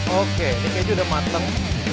oke ini keju udah mateng